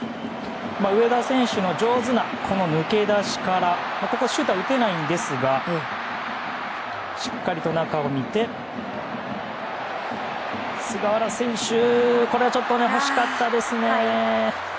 上田選手の上手な抜け出しからここはシュートは打てないんですがしっかりと中を見て、菅原選手これは惜しかったですね。